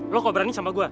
lu kok berani sama gua